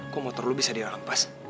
kok motor lu bisa di lempas